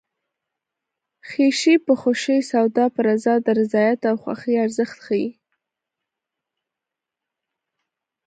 خیښي په خوښي سودا په رضا د رضایت او خوښۍ ارزښت ښيي